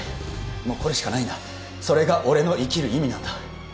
もうこれしかないんだそれが俺の生きる意味なんだ